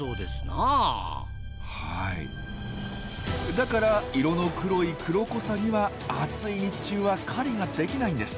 だから色の黒いクロコサギは暑い日中は狩りができないんです。